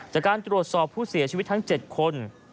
จากการตรวจสอบผู้เสียชีวิตทั้ง๗คน